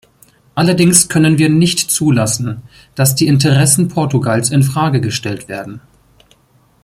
Allerdings können wir nicht zulassen, dass die Interessen Portugals in Frage gestellt werden.